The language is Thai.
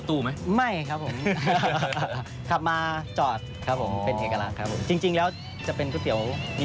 ตามมาเลย